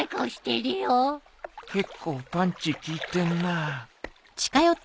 結構パンチ効いてんなあ。